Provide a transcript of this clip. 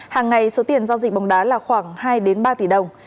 hàng ngày số tiền giao dịch bóng đá là khoảng hai ba tỷ đồng